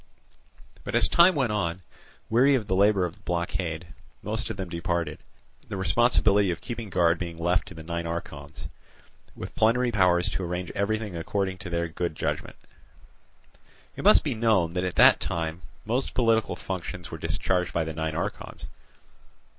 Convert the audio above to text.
But as time went on, weary of the labour of blockade, most of them departed; the responsibility of keeping guard being left to the nine archons, with plenary powers to arrange everything according to their good judgment. It must be known that at that time most political functions were discharged by the nine archons.